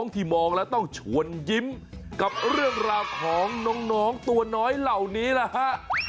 ที่มองแล้วต้องชวนยิ้มกับเรื่องราวของน้องตัวน้อยเหล่านี้นะฮะ